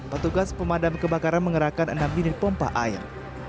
petugas pemadam kebakaran menggerakkan enam jenis pompa air